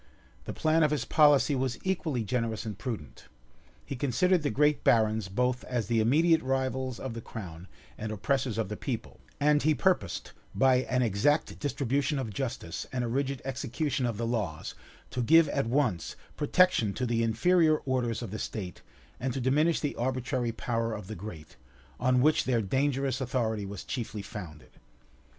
The plan of his policy was equally generous and prudent. He considered the great barons both as the immediate rivals of the crown and oppressors of the people; and he purposed, by an exact distribution of justice, and a rigid execution of the laws, to give at once protection to the inferior orders of the state, and to diminish the arbitrary power of the great, on which their dangerous authority was chiefly founded.